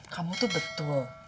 kamu tuh betul